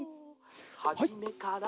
「はじめから」